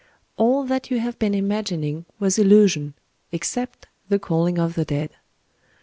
All that you have been imagining was illusion—except the calling of the dead.